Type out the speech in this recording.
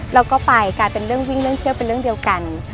เราก็ไปกลายเป็นเรื่องวิ่งเรื่องเที่ยวเป็นเรื่องเดียวกัน